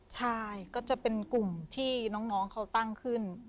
ใช่ก็จะเป็นกลุ่มที่น้องเขาตั้งขึ้น